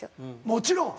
もちろん！